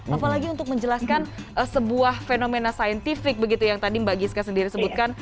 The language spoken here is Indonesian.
apalagi untuk menjelaskan sebuah fenomena saintifik begitu yang tadi mbak giska sendiri sebutkan